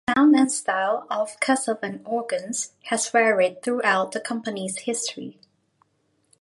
The sound and style of Casavant organs has varied throughout the company's history.